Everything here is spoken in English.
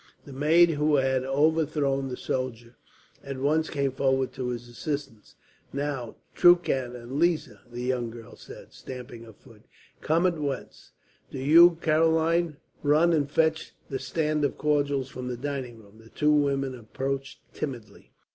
The maid who had overthrown the soldier at once came forward to his assistance. "Now, Truchen and Lisa," the young girl said, stamping her foot, "come at once. "Do you, Caroline, run and fetch the stand of cordials from the dining room." The two women approached timidly.